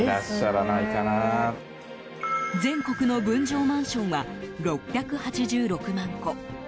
全国の分譲マンションは６８６万戸。